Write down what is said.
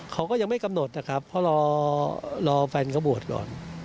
เขาก็ยังไม่กำหนดนะครับเพราะรอแฟนเขาบวชก่อน